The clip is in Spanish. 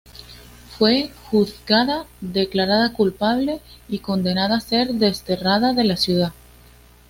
Fue juzgada, declarada culpable y condenada a ser desterrada de la ciudad.